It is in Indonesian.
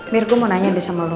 mir gue mau nanya deh sama lu